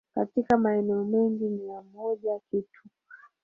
katika maeneo mengi mia moja kitu